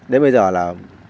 đến bây giờ là